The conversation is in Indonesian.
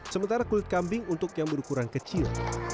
sementara kulit kambing untuk yang berukuran kecil